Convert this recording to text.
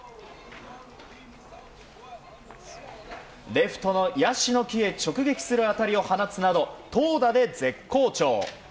レフトのヤシの木へ直撃する当たりを放つなど投打で絶好調。